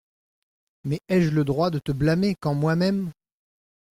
Mais ai-je le droit de te blâmer quand moi-même …